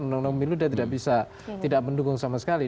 undang undang pemilu dia tidak bisa tidak mendukung sama sekali